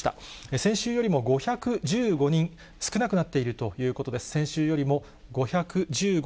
先週よりも５１５人少なくなっているということです。